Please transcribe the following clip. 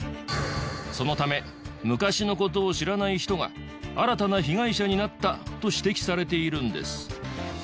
そのため昔の事を知らない人が新たな被害者になったと指摘されているんです。